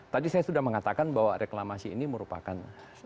tadi saya sudah mengatakan bahwa reklamasi ini merupakan